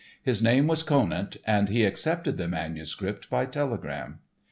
His name was Conant, and he accepted the manuscript by telegram.